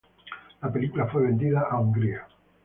La película fue vendida a Hungría.